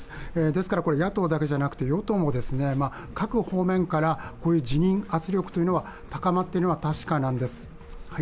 ですから、野党だけじゃなくて与党も、各方面からこういう辞任圧力は高まっているのは確かなんです。